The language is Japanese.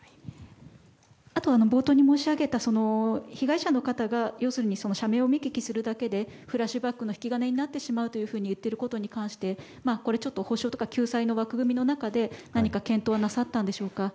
あと、冒頭に申し上げた被害者の方が要するに社名を見聞きするだけでフラッシュバックの引き金になってしまうと言っていることに関して補償とか救済の枠組みの中で何か検討なさったんでしょうか。